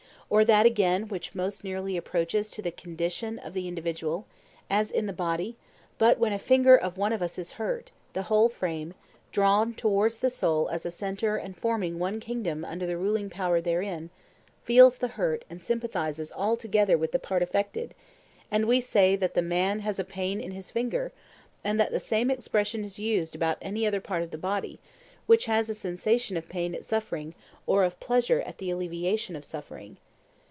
Or that again which most nearly approaches to the condition of the individual—as in the body, when but a finger of one of us is hurt, the whole frame, drawn towards the soul as a centre and forming one kingdom under the ruling power therein, feels the hurt and sympathizes all together with the part affected, and we say that the man has a pain in his finger; and the same expression is used about any other part of the body, which has a sensation of pain at suffering or of pleasure at the alleviation of suffering.